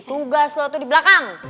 tugas lo tuh di belakang